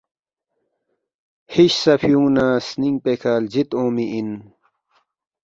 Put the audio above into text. ہِش سا فیونگنہ سنینگ پیکہ لجید اونگمی اِن